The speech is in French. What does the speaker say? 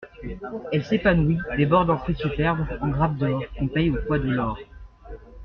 Elle s'épanouit, déborde en fruits superbes, en grappes d'or, qu'on paye au poids de l'or.